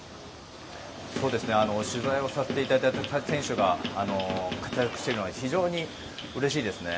取材をさせていただいた選手が活躍しているのは非常にうれしいですね。